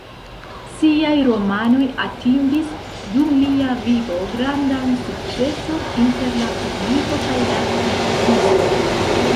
Siaj romanoj atingis, dum lia vivo, grandan sukceson inter la publiko kaj la kritikistoj.